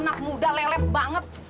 anak muda lelep banget